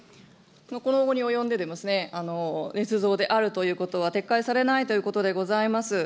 この期に及んででもですね、ねつ造であるということは撤回されないということでございます。